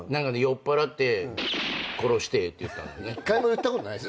酔っぱらって「殺してえ」って言ったんだよね。